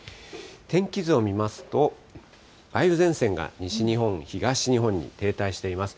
天気図を見ますと、梅雨前線が西日本、東日本に停滞しています。